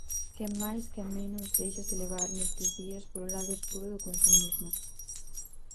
Quen máis quen menos deixase levar nestes días polo lado escuro do consumismo.